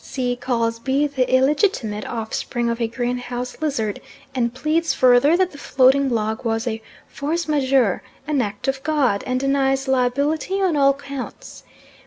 C. calls B. the illegitimate offspring of a greenhouse lizard, and pleads further that the floating log was a force majeure an act of God, and denies liability on all counts.